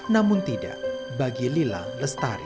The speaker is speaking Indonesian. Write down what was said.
namun tidak bagi lila lestari